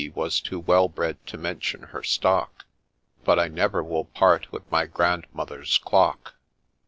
was too well bred to mention her stock,) But I never will part with my Grandmother's Clock